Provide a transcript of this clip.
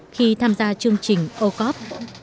khi tham gia chương trình o cop